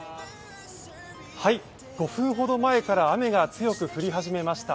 ５分ほど前から雨が強く降り始めました。